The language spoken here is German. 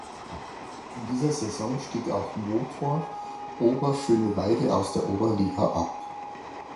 In dieser Saison stieg auch Motor Oberschöneweide aus der Oberliga ab.